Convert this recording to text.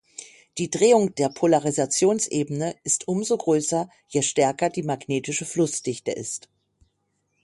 Die Drehung der Polarisationsebene ist umso größer, je stärker die magnetische Flussdichte ist.